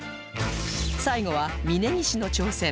最後は峯岸の挑戦